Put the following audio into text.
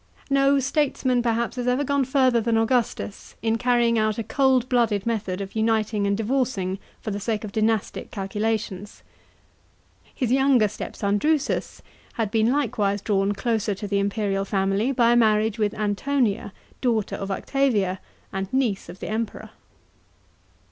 No statesman perhaps has ever gone further than Augustus in carrying out a cold blooded method of uniting and divorcing for the sake of dynastic calculations. His younger step son Drusus had been likewise drawn closer to the imperial family by marriage with Antonia, daughter of Octavia, and niece of the Emperor.